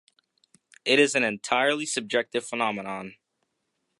It is an entirely subjective phenomenon.